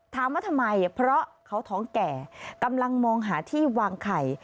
ถามว่าทำไมเพราะเขาท้องแก่กำลังมองหาที่วางไข่